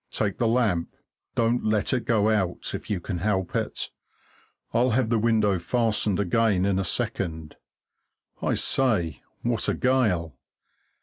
Take the lamp don't let it go out, if you can help it I'll have the window fastened again in a second I say, what a gale!